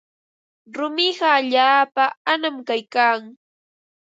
Rumiqa allaapa anam kaykan.